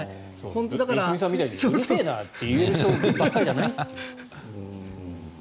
良純さんみたいにうるせえなって言える人ばかりじゃないという。